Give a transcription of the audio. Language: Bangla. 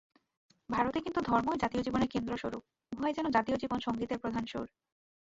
ভারতে কিন্তু ধর্মই জাতীয় জীবনের কেন্দ্রস্বরূপ, উহাই যেন জাতীয় জীবন-সঙ্গীতের প্রধান সুর।